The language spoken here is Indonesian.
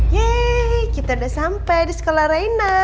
yeay kita udah sampai di sekolah raina